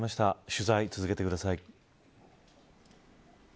取材を続けてください。